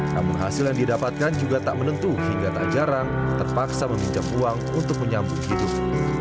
namun hasil yang didapatkan juga tak menentu hingga tak jarang terpaksa meminjam uang untuk menyambung hidup